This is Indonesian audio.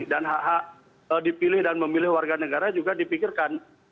dan hh dipilih dan memilih warga negara juga dipikirkan